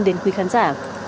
đến quý khán giả